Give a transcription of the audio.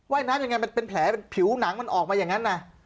ว่ายน้ำเป็นแผลผิวหนังมันออกมาอย่างนั้น